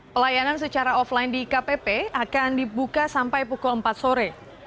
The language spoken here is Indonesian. pelayanan secara offline di kpp akan dibuka sampai pukul empat sore